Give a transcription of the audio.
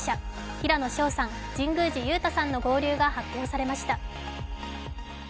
平野紫耀さん、神宮寺勇太さんの合流が発表されました。